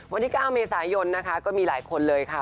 วันที่๙เมษายนนะคะก็มีหลายคนเลยค่ะ